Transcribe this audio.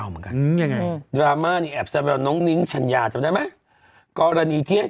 ว่าหนุ่มกรณีที่